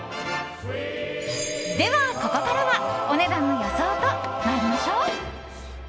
では、ここからはお値段の予想と参りましょう。